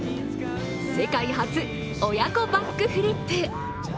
世界初、親子バックフリップ。